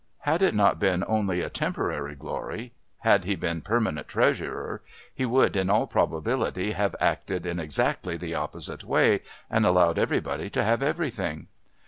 Had it not been only a temporary glory had he been permanent Treasurer he would in all probability have acted in exactly the opposite way and allowed everybody to have everything.